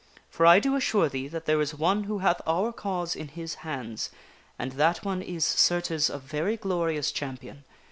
For I do assure thee that there is one who hath our cause in his hands, and that one is, certes, a very glorious champion.